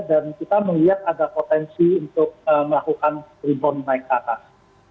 dan kita melihat ada potensi untuk melakukan rebound naik atas